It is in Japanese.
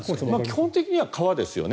基本的には川ですよね。